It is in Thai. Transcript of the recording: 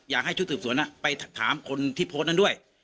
อยากให้ชุดสืบสวนไปถามคนที่โพสต์นั้นด้วย